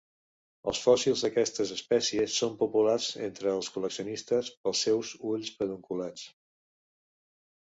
Els fòssils d'aquestes espècies són populars entre els col·leccionistes pels seus ulls pedunculats.